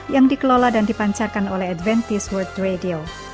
yang dikelola dan dipancarkan oleh advantage world radio